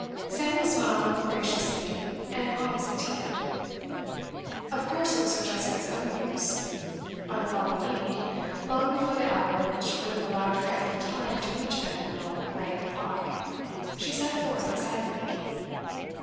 Samuel smiled graciously, and promised the ticket. Of course it was for Jessica's own use. On the following evening, long before the hour which would have allowed her ample time to reach Pentonville by eight o'clock, she set forth excitedly.